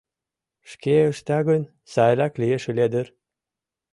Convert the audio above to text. Шке ышта гын, сайрак лиеш ыле дыр.